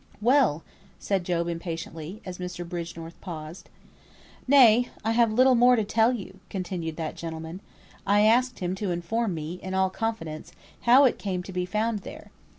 "Well!" said Job, impatiently, as Mr. Bridgenorth paused. "Nay! I have little more to tell you," continued that gentleman. "I asked him to inform me in all confidence, how it came to be found there.